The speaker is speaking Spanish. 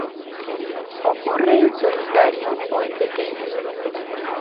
Ocurre en solitario o en pequeños grupos.